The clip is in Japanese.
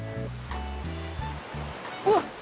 うわっ！